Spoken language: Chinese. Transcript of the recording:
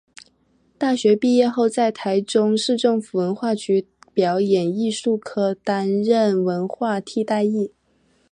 大学毕业后在台中市政府文化局表演艺术科担任文化替代役。